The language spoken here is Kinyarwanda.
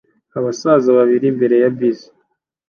Abasaza babiri imbere ya bisi